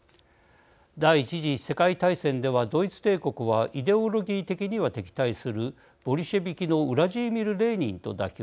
第１次世界大戦ではドイツ帝国はイデオロギー的には敵対するボリシェビキのウラジーミル・レーニンと妥協。